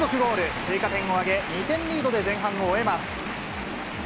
追加点を挙げ、２点リードで前半を終えます。